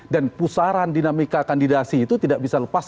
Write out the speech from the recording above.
dan pusaran dinamika kandidasi itu tidak bisa lepas